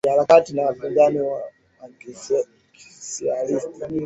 harakati na wapinzani wa kisosialisti